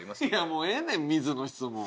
もうええねん水の質問。